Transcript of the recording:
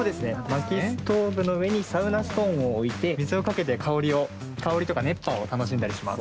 まきストーブの上にサウナストーンを置いて水をかけて香りとか熱波を楽しんだりします。